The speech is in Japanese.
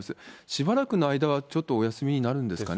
しばらくの間はちょっとお休みになるんですかね。